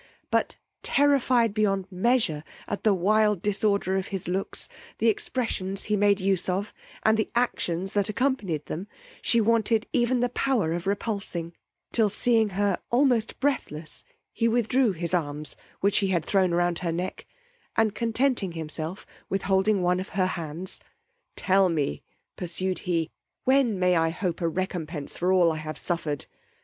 But terrified beyond measure at the wild disorder of his looks, the expressions he made use of, and the actions that accompanied them, she wanted even the power of repulsing, till seeing her almost breathless, he withdrew his arms which he had thrown round her neck, and contenting himself with holding one of her hands, Tell me, pursued he, when may I hope a recompence for all I have suffered?